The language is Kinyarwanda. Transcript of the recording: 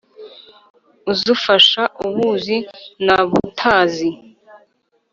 Uzufasha ubuzi nabutazi